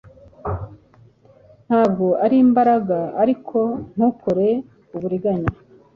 Ntabwo ari imbaraga, ariko ntukore uburiganya,